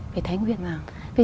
về thái nguyên vào